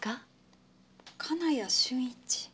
金谷俊一？